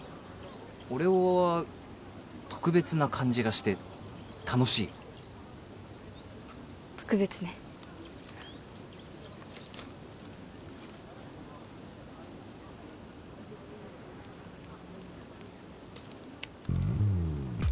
俺は特別な感じがして楽しいよ特別ねうん？